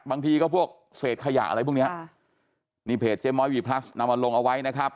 บางทีก็พวกเศษขยะอะไรพวกเนี้ยค่ะนี่เพจเจ๊ม้อยวีพลัสนำมาลงเอาไว้นะครับ